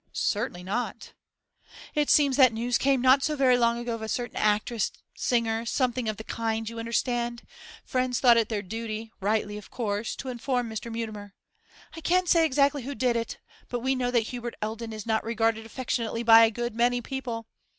'Certainly not.' 'It seems that news came not so very long ago of a certain actress, singer, something of the kind, you understand? Friends thought it their duty rightly, of course, to inform Mr. Mutimer. I can't say exactly who did it; but we know that Hubert Eldon is not regarded affectionately by a good many people.